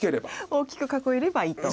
大きく囲えればいいと。